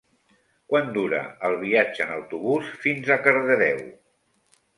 Quant dura el viatge en autobús fins a Cardedeu?